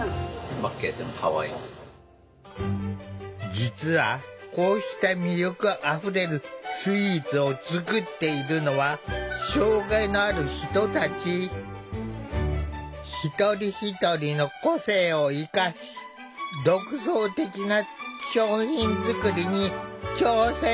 実はこうした魅力あふれるスイーツを作っているのは一人一人の個性を生かし独創的な商品作りに挑戦している。